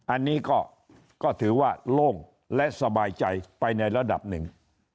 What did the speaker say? อันนี้ก็ถือว่าโล่งและสบายใจไปในระดับหนึ่ง